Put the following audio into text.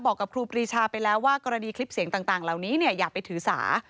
บอกกับครูปรีชาไปแล้วว่ากรณีคลิปเสียงต่างเหล่านี้อย่าไปถือสา